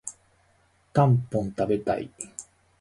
たんぽん食べたい